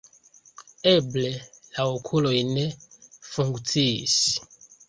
Eble, la okuloj ne funkciis.